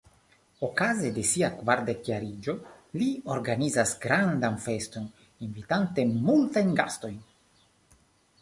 Okaze de sia kvardekjariĝo li organizas grandan feston, invitante multajn gastojn.